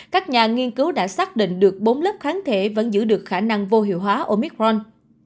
các nhà nghiên cứu đã xác định được bốn lớp kháng thể vẫn giữ được khả năng vô hiệu hóa omicron